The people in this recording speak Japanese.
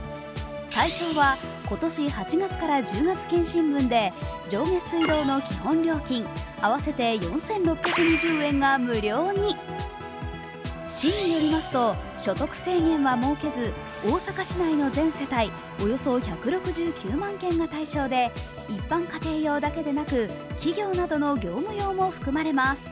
対象は今年８月から１０月検針分で市によりますと、所得制限は設けず大阪市内の全世帯およそ１６９万件が対象で一般家庭用だけでなく、企業などの業務用も含まれます。